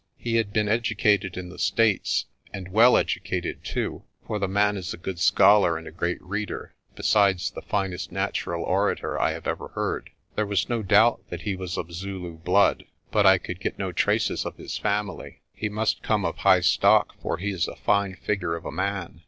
He had been educated in the States, and well educated too, for the man is a good scholar and a great reader, besides the finest natural orator I have ever heard. There was no doubt that he was of Zulu blood, but I could get no traces of his family. He must come of high stock, for he is a fine figure of a man.